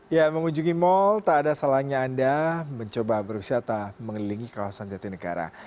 ya mengunjungi mal tak ada salahnya anda mencoba berwisata mengelilingi kawasan jatinegara